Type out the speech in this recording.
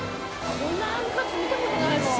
こんなハムかつ見たことないもん。